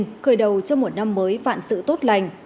tết nguyên cười đầu cho một năm mới vạn sự tốt lành